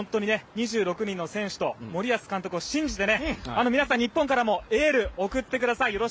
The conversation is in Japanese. ２６人の選手と森保監督を信じて皆さん、日本からもエールを送ってください。